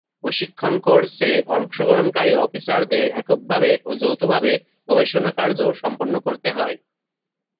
প্রশিক্ষণ কোর্সে অংশগ্রহণকারী অফিসারদের এককভাবে ও যৌথভাবে গবেষণাকার্য সম্পন্ন করতে হয়।